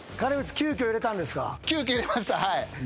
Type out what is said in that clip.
急きょ入れました。